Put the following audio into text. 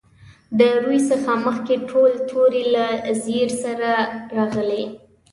د روي څخه مخکې ټول توري له زېر سره راغلي.